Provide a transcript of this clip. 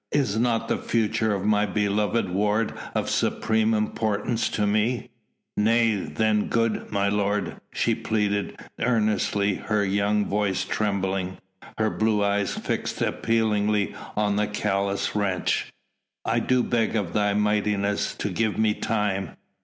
Is not the future of my beloved ward of supreme importance to me?" "Nay, then, good my lord," she pleaded earnestly, her young voice trembling, her blue eyes fixed appealingly on the callous wretch, "I do beg of thy mightiness to give me time